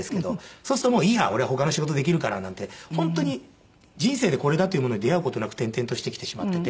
そうするともういいや俺他の仕事できるからなんて本当に人生でこれだというものに出合う事なく転々としてきてしまっていて。